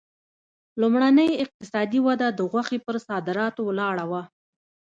لومړنۍ اقتصادي وده د غوښې پر صادراتو ولاړه وه.